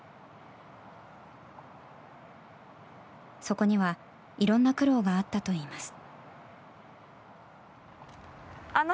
そこには、いろんな苦労があったといいます。